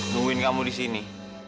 nungguin kamu disini